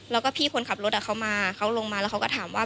แล้วก็พี่คนขับรถเขามาเขาลงมาแล้วเขาก็ถามว่า